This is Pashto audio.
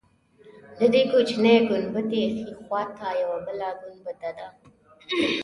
د دې کوچنۍ ګنبدې ښی خوا ته یوه بله ګنبده ده.